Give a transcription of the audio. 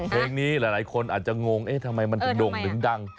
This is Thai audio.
เพลงนี้หลายคนอาจจะงงเอ๊ะทำไมมันถึงโด่งถึงดัง